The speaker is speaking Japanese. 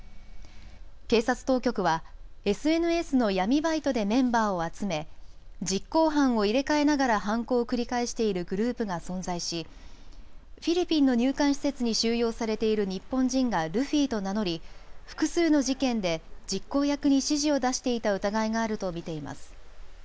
警察当局はＳＮＳの闇バイトでメンバーを集め実行犯を入れ替えながら犯行を繰り返しているグループが存在しフィリピンの入管施設に収容されている日本人がルフィと名乗り複数の事件で実行役に指示を出していた疑いがあると見ています。